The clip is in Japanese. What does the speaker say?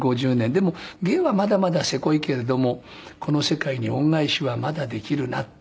でも芸はまだまだせこいけれどもこの世界に恩返しはまだできるなっていう。